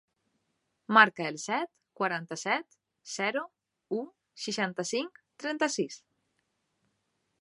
Marca el set, quaranta-set, zero, u, seixanta-cinc, trenta-sis.